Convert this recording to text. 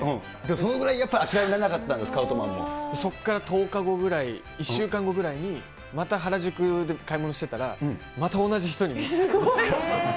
そのぐらいやっぱり、諦めらそっから１０日後ぐらい、１週間後ぐらいに、また原宿で買い物してたら、また同じ人に見つかって。